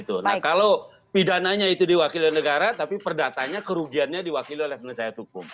nah kalau pidananya itu diwakili oleh negara tapi perdatanya kerugiannya diwakili oleh penelitian hukum